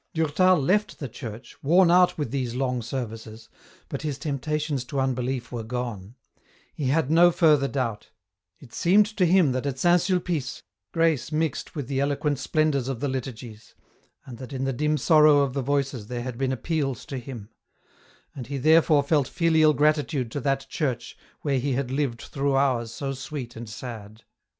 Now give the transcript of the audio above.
Durtal left the church, worn out with these long services, but his temptations to unbelief were gone ; he had no further doubt ; it seemed to him that at St. Sulpice, grace mixed with the eloquent splendours of the liturgies, and that in the dim sorrow of the voices there had been appeals to him ; and he therefore felt filial gratitude to that church where he had lived through hours so sweet and sad.